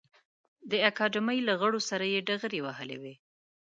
د اکاډمۍ له غړو سره یې ډغرې وهلې وې.